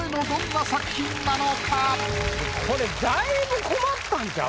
これだいぶ困ったんちゃう？